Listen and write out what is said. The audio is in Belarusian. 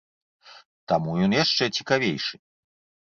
Таму ён яшчэ цікавейшы.